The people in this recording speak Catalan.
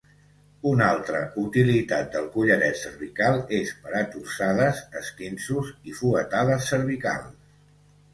Una altra utilitat del collaret cervical es per a torçades, esquinços i fuetades cervicals.